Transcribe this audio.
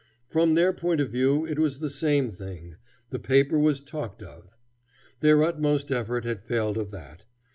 From their point of view it was the same thing: the paper was talked of. Their utmost effort had failed of that.